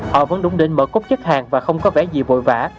họ vẫn đúng đến mở cốt chất hàng và không có vẻ gì vội vã